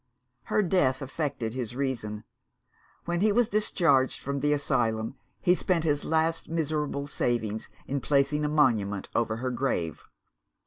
Her death affected his reason. When he was discharged from the asylum, he spent his last miserable savings in placing a monument over her grave.